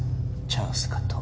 チャンスかと